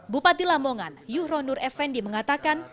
bupati lamongan yuhronur effendi mengatakan